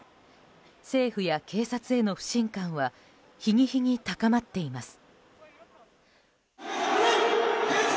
政府や警察への不信感は日に日に高まっています。